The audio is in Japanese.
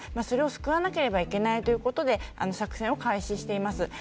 それを救わなければいけないということで作戦を開始しています。